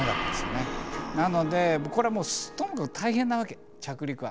なのでこれはともかく大変なわけ着陸は。